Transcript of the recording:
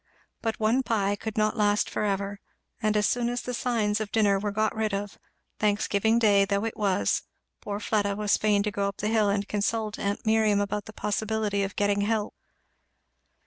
But one pie could not last for ever; and as soon as the signs of dinner were got rid of, Thanksgiving day though it was, poor Fleda was fain to go up the hill to consult aunt Miriam about the possibility of getting "help."